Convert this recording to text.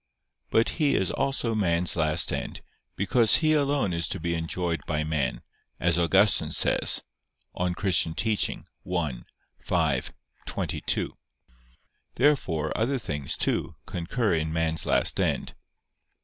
But He is also man's last end; because He alone is to be enjoyed by man, as Augustine says (De Doctr. Christ. i, 5, 22). Therefore other things, too, concur in man's last end.